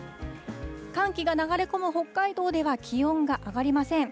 寒気が流れ込む北海道では気温が上がりません。